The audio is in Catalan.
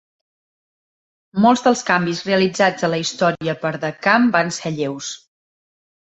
Molts dels canvis realitzats a la història per de Camp van ser lleus.